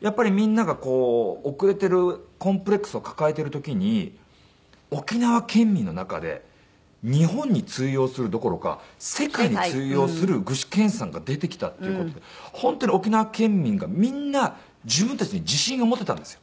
やっぱりみんながこう遅れているコンプレックスを抱えている時に沖縄県民の中で日本に通用するどころか世界に通用する具志堅さんが出てきたっていう事で本当に沖縄県民がみんな自分たちに自信が持てたんですよ。